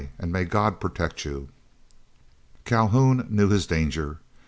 and may God protect you." Calhoun knew his danger.